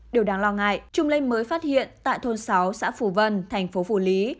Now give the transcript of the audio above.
điều đáng lo ngại chủng lây mới phát hiện tại thôn sáu xã phủ vân thành phố phủ lý